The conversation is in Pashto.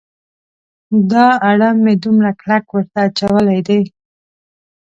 دا اړم مې دومره کلک ورته اچولی دی.